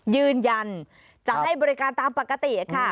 ยืนยันจะให้บริการตามปกติค่ะ